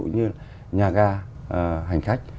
như nhà ga hành khách